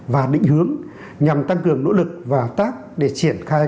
và định hướng nhằm tăng cường nỗ lực và hợp tác để triển khai